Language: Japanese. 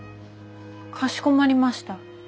かしこまりました。